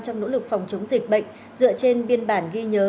trong nỗ lực phòng chống dịch bệnh dựa trên biên bản ghi nhớ